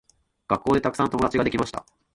学校でたくさん友達ができました。